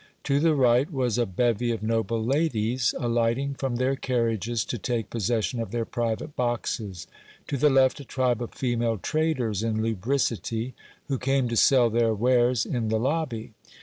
To the right was a bevy of noble ladies, alighting from their carnages to take possession of their private boxes ; to the left a tribe of female traders in lubricity, who came to sell their wares in the lobby.